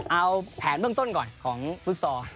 เอาแผนเบื้องต้นก่อนของฟุตซอล